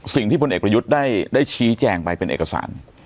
สิ่งที่บนเอกประยุทธ์ได้ได้ชี้แจงไปเป็นเอกสาร